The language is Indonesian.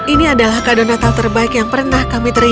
ini adalah kado natal terbaik yang pernah kami terima